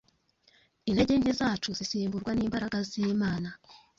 intege nke zacu zisimburwa n’imbaraga z’Imana